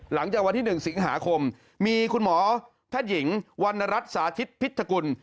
หลังจากวันที่๑สิงหาคมมีคุณหมอแพทย์หญิงวรรณรัฐสาธิตพิธกุล